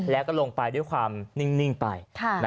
แล้วก็ลงไปด้วยความนิ่งไป